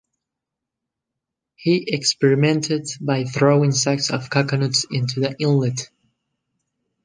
He experimented by throwing sacks of coconuts into the inlet.